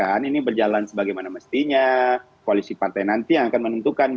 jadi ini berjalan sebagaimana mestinya koalisi partai nanti yang akan menentukan